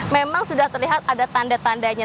memang sudah terlihat ada tanda tandanya